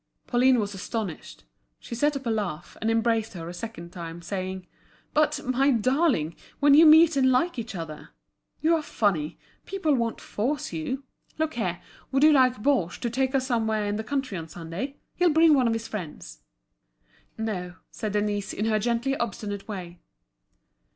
Pauline was astonished. She set up a laugh, and embraced her a second time, saying: "But, my darling, when you meet and like each other! You are funny! People won't force you. Look here, would you like Baugé to take us somewhere in the country on Sunday? He'll bring one of his friends." "No," said Denise, in her gently obstinate way.